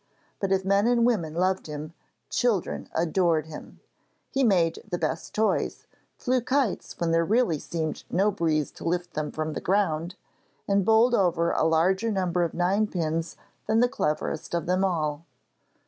But if men and women loved him, children adored him. He made the best toys, flew kites when there really seemed no breeze to lift them from the ground, and bowled over a larger number of ninepins than the cleverest of them all.